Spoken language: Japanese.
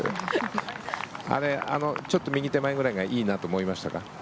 ちょっと右手前くらいがいいなって思いましたか？